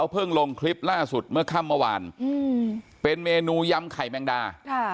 เป็นเมนูยำไข่แม็งดา